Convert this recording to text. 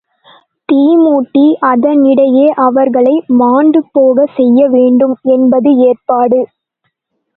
தீமூட்டி அதனிடையே அவர்களை மாண்டுபோகச் செய்ய வேண்டும் என்பது ஏற்பாடு.